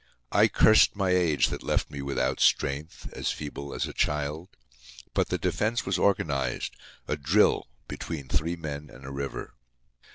I cursed my age that left me without strength, as feeble as a child. But the defense was organized—a drill between three men and a river.